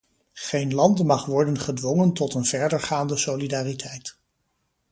Geen land mag worden gedwongen tot een verdergaande solidariteit.